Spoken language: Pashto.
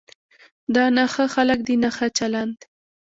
دا نه ښه خلک دي نه ښه چلند.